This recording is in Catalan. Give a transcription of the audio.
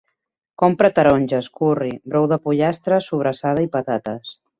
Compra taronges, curri, brou de pollastre, sobrassada i patates